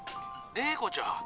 麗子ちゃん？